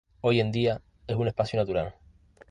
Hoy en día es un espacio natural.